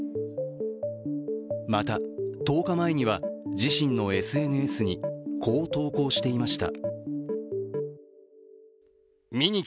また１０日前には自身のＳＮＳにこう投稿していました。